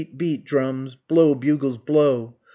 beat! drums! blow! bugles! blow!